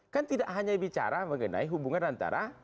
kan tidak hanya bicara mengenai hubungan antara